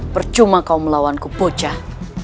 percuma kau melawanku bocah